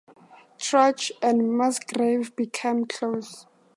Trutch and Musgrave became close.